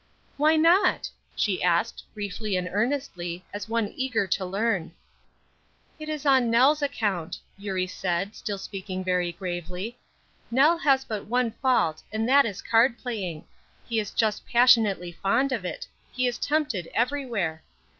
"Why not?" she asked, briefly and earnestly, as one eager to learn. "It is on Nell's account," Eurie said, still speaking very gravely. "Nell has but one fault, and that is card playing; he is just passionately fond of it; he is tempted everywhere.